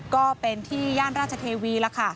ก็เป็นที่ย่านราชเทวีแล้วค่ะ